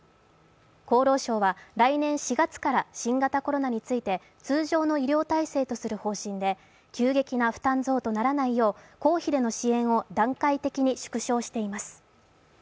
厚労省は、来年４月から新型コロナについて通常の医療体制とする方針で急激な負担増とならないよう公費での支援を段階的に縮小しています。